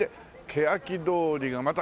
けやき通りがまた。